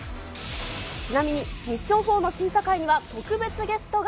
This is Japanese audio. ちなみにミッション４の審査会には、特別ゲストが。